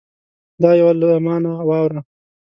دا یوه له ما نه واوره